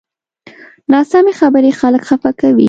ناسمې خبرې خلک خفه کوي